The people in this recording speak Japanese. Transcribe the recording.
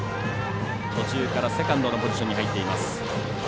途中からセカンドのポジションに入っています。